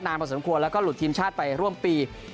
พอสมควรแล้วก็หลุดทีมชาติไปร่วมปี